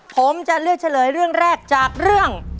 ผมจะเลือกเฉลยเรื่องแรกจากเรื่อง